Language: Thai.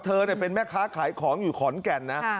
เธอเป็นแม่ค้าขายของอยู่ขอนแก่นนะ